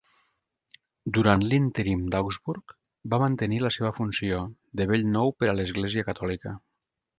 Durant l'Ínterim d'Augsburg va mantenir la seva funció, de bell nou per a l'església catòlica.